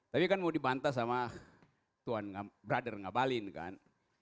tapi kan mau dibantah sama brother ngabalin kan